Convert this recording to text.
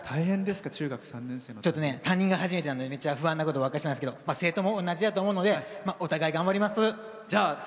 担任が初めてなんでめっちゃ不安なんですけど生徒も同じやと思うのでお互い頑張ります。